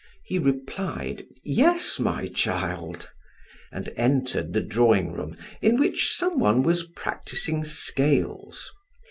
He replied: "Yes, my child," and entered the drawing room in which some one was practising scales.